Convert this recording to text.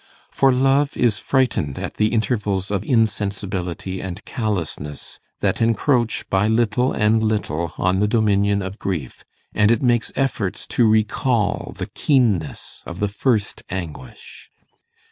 For love is frightened at the intervals of insensibility and callousness that encroach by little and little on the dominion of grief, and it makes efforts to recall the keenness of the first anguish.